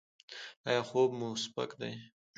ایا خوب مو سپک دی؟